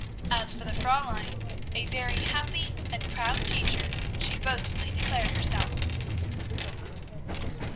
As for the Fräulein, a very happy and proud teacher she boastfully declared herself.